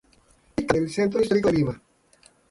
Ica del Centro Histórico de Lima.